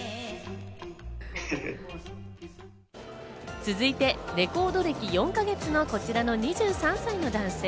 続いてレコード歴４か月のこちらの２３歳の男性。